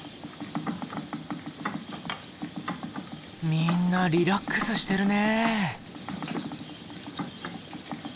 みんなリラックスしてるね。